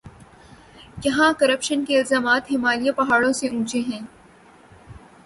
یہاں کرپشن کے الزامات ہمالیہ پہاڑوں سے اونچے ہیں۔